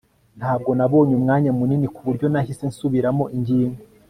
ntabwo nabonye umwanya munini kuburyo nahise nsubiramo ingingo